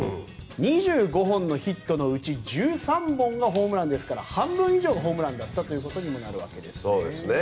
２５本のヒットのうち１３本がホームランですから半分以上がホームランということにもなるわけですね。